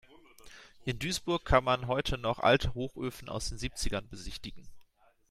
In Duisburg kann man heute noch alte Hochöfen aus den Siebzigern besichtigen.